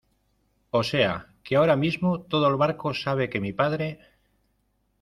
o sea, que ahora mismo todo el barco sabe que mi padre